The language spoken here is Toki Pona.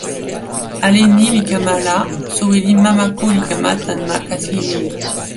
ale ni li kama la, soweli Mamako li kama tan ma kasi lili.